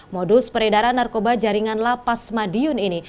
modus peredaran narkoba jaringan la paz madiun ini